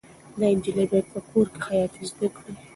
دا نجلۍ باید په کور کې خیاطي زده کړي.